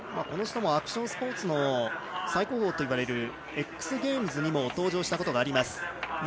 この人もアクションスポーツの最高峰といわれるＸＧＡＭＥＳにも登場したことがあります。